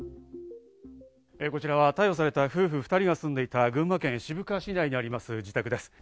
こちらは逮捕された夫婦２人が住んでいた群馬県渋川市内にあります自宅です。